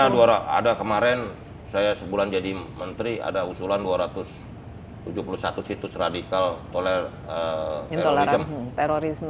ada kemarin saya sebulan jadi menteri ada usulan dua ratus tujuh puluh satu situs radikal toler terorisme